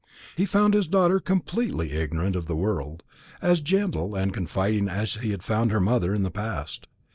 He found his daughter completely ignorant of the world, as gentle and confiding as he had found her mother in the past.